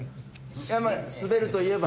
いやまあスベるといえば。